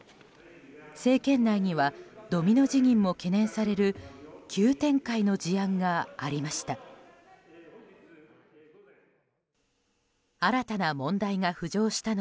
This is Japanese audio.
政権内にはドミノ辞任も懸念される急展開の事案がありました。